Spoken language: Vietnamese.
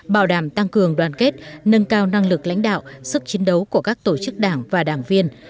bảo đảm tăng cường đoàn kết nâng cao năng lực lãnh đạo sức chiến đấu của các tổ chức đảng và đảng viên